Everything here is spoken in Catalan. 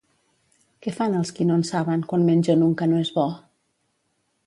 Què fan els qui no en saben quan mengen un que no és bo?